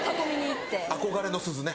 憧れの鈴ね。